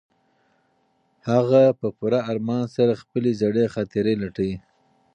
هغه په پوره ارمان سره خپلې زړې خاطرې لټوي.